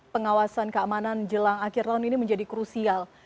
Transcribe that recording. pengawasan keamanan jelang akhir tahun ini menjadi krusial